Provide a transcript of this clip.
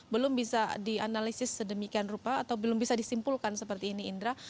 belum bisa dianalisis sedemikian rupa atau belum bisa disimpulkan seperti ini indra